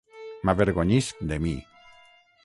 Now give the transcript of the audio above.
M'avergonyisc de mi.